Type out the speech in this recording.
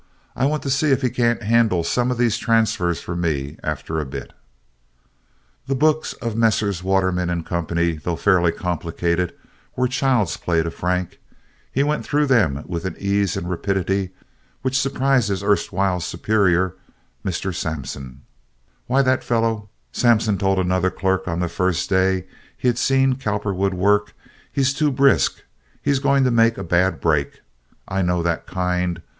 I want to see if he can't handle some of these transfers for me after a bit." The books of Messrs. Waterman & Co., though fairly complicated, were child's play to Frank. He went through them with an ease and rapidity which surprised his erstwhile superior, Mr. Sampson. "Why, that fellow," Sampson told another clerk on the first day he had seen Cowperwood work, "he's too brisk. He's going to make a bad break. I know that kind.